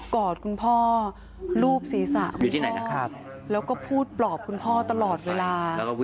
กอดคุณพ่อรูปศีรษะคุณพ่อแล้วก็พูดปลอบคุณพ่อตลอดเวลา